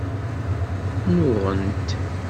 Nnuɣent.